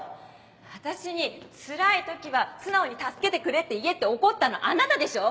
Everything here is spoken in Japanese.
私につらい時は素直に助けてくれって言えって怒ったのあなたでしょ！